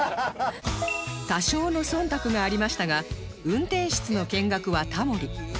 多少の忖度がありましたが運転室の見学はタモリ